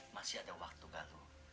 masih ada waktu galuh